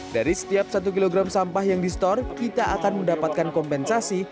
dari setiap satu kilogram sampah yang di store kita akan mendapatkan kompensasi